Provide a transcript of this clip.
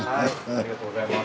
ありがとうございます。